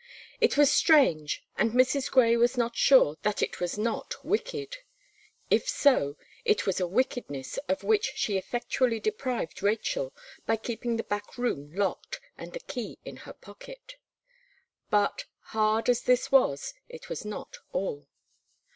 It was strange, and Mrs. Gray was not sure that it was not wicked. If so, it was a wickedness of which she effectually deprived Rachel, by keeping the back room locked, and the key in her pocket. But, hard as this was, it was not all.